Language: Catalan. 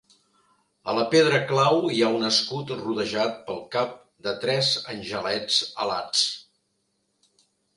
A la pedra clau hi ha un escut rodejat pel cap de tres angelets alats.